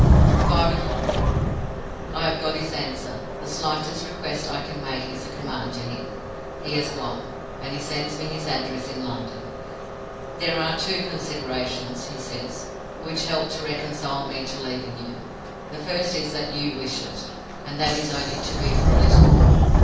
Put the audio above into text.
"Five o'clock. I have got his answer. The slightest request I can make is a command to him. He has gone; and he sends me his address in London. 'There are two considerations' (he says) 'which help to reconcile me to leaving you. The first is that you wish it, and that it is only to be for a little while.